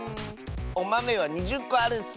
おまめは２０こあるッス。